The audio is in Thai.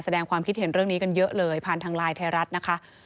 แสดงความคิดเห็นเรื่องนี้กันเยอะเลยผ่านทางไลน์ไทยรัฐนะคะ